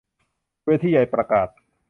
เวทีใหญ่ประกาศ